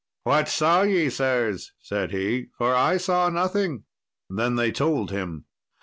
"What saw ye, sirs?" said he, "for I saw nothing." Then they told him.